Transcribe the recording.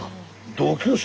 同級生？